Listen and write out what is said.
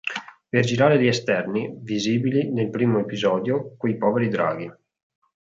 Per girare gli esterni, visibili nel primo episodio "Quei poveri draghi!